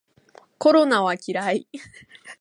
コロナは嫌い